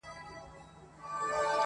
زه د شپې له چوپتیا سره عادت یم